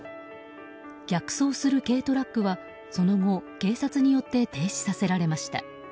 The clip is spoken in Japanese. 逆走する軽トラックは、その後警察によって停止させられました。